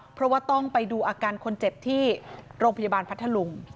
เพราะว่าต้องไปดูอาการคนเจ็บที่โรงพยาบาลพัทธลุง